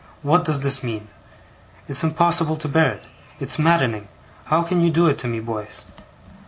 'What does this mean! It's impossible to bear it. It's maddening. How can you do it to me, boys?